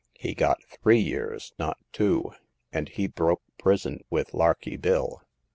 He got three years, not two ; and he broke prison with Larky Bill."